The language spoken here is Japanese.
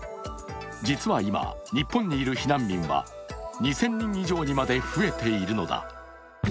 実は今、日本にいる避難民は２０００人以上にまで増えているのだ。